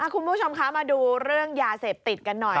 คุณผู้ชมคะมาดูเรื่องยาเสพติดกันหน่อย